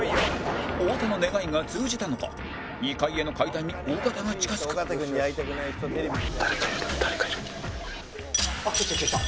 太田の願いが通じたのか２階への階段に尾形が近付く来た来た来た来た！